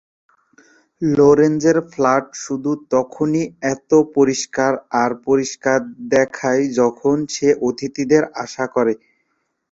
লোরেন্জের flat শুধু তখনই এত পরিষ্কার আর পরিষ্কার দেখায় যখন সে অতিথিদের আশা করে।